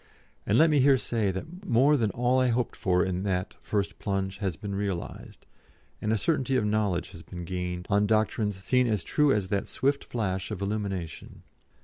And let me here say that more than all I hoped for in that first plunge has been realised, and a certainty of knowledge has been gained on doctrines seen as true as that swift flash of illumination.